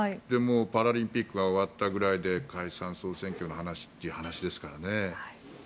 パラリンピックが終わったぐらいで解散・総選挙という話ですからね。